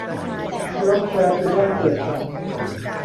ยอร์คแชร์คือบ้านเกิดฉัน